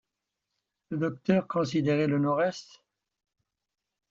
Le docteur considérait le nord-est.